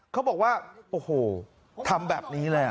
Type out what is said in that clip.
เขาบอกว่าโอ้โหทำแบบนี้เลย